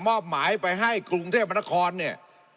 มอบหมายไปให้กรุงเทพมนครเนี่ย